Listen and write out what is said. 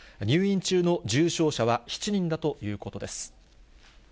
入院中の重症者は７人だということです。